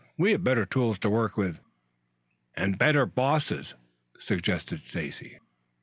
We have better tools to work with." "And better bosses," suggested Stacy.